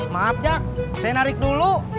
maaf jak saya narik dulu